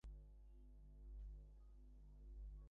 ছেলেবেলা থেকে অঙ্কে আর ইংরেজিতে ক্লাসে সে হয়েছে ফার্স্ট।